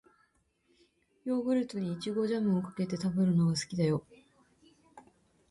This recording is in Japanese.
ヨーグルトに、いちごジャムをかけて食べるのが好きだよ。